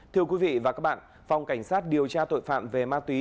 thưa quý vị và các bạn phòng cảnh sát điều tra tội phạm về ma túy